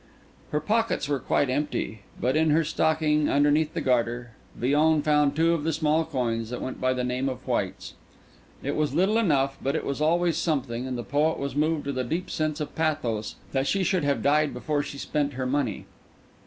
Her pockets were quite empty; but in her stocking, underneath the garter, Villon found two of the small coins that went by the name of whites. It was little enough; but it was always something; and the poet was moved with a deep sense of pathos that she should have died before she had spent her money.